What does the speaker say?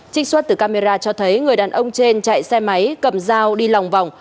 trích xuất từ camera cho thấy người đàn ông trên chạy xe máy cầm dao đi lòng vòng